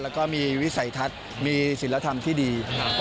แล้วก็มีวิสัยทัศน์มีศิลธรรมที่ดี